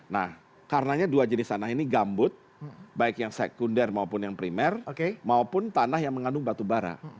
nah karenanya dua jenis tanah ini gambut baik yang sekunder maupun yang primer maupun tanah yang mengandung batubara